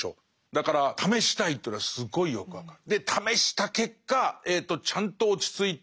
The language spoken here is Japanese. だから試したいというのはすごいよく分かる。